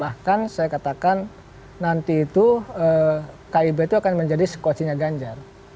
bahkan saya katakan nanti itu kib itu akan menjadi sekocinya ganjar